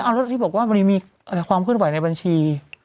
แล้วที่บอกว่ามันมีความเคลื่อนไหวในบัญชี